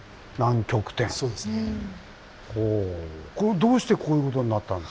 どうしてこういうことになったんです？